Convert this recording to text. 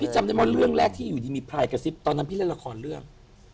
จำได้ไหมเรื่องแรกที่อยู่ดีมีพลายกระซิบตอนนั้นพี่เล่นละครเรื่อง